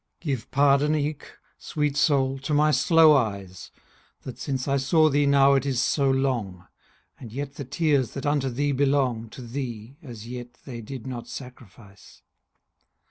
Give pardon eke, sweet soul, to my slow eyes, 5 That since I saw thee now it is so long, And yet the tears that unto thee belong To thee as yet they did not sacrifice.